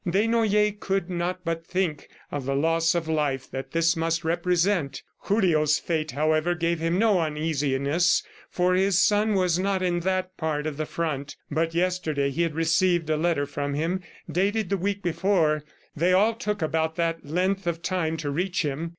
Desnoyers could not but think of the loss of life that this must represent. Julio's fate, however, gave him no uneasiness, for his son was not in that part of the front. But yesterday he had received a letter from him, dated the week before; they all took about that length of time to reach him.